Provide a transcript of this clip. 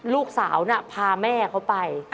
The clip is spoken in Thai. ลูกสาวน่ะพาแม่เขาไป